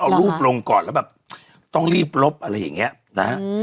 เอารูปลงก่อนแล้วแบบต้องรีบลบอะไรอย่างเงี้ยนะฮะ